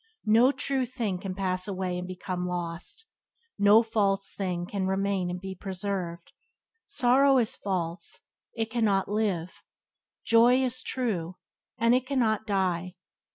No true thing can pass away and become lost; no false thing can remain and be preserved. Sorrow is false, and it cannot live; joy is true, and it cannot die.